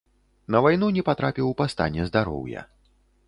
На вайну не патрапіў па стане здароўя.